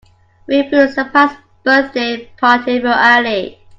We threw a surprise birthday party for Ali.